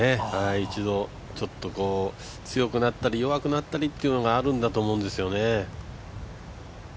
一度、強くなったり弱くなったりっていうのがあると思うんですよね。